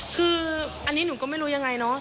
คืออันนี้หนูก็ไม่รู้ยังไงเนอะ